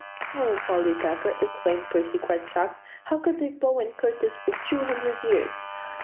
"O Polly Pepper!" exclaimed Percy quite shocked; "how could they bow and courtesy for two hundred years?"